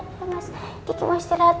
kiki mau istirahat